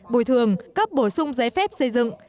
bồi thường cấp bổ sung giấy phép xây dựng